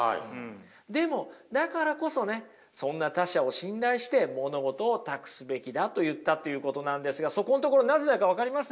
でもだからこそねそんな他者を信頼して物事を託すべきだと言ったということなんですがそこのところなぜだか分かります？